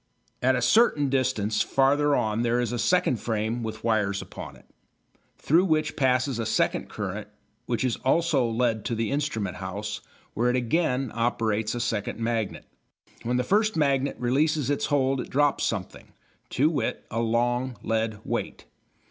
At a certain distance farther on there is a second frame with wires upon it, through which passes a second current, which is also led to the instrument house, where it again operates a second magnet. When the first magnet releases its hold it drops something, to wit, a long lead weight.